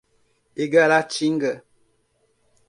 Igaratinga